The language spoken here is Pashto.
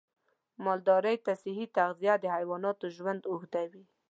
مالدارۍ ته صحي تغذیه د حیواناتو ژوند اوږدوي.